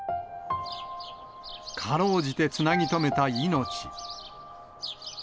かろうじてつなぎ止めた命。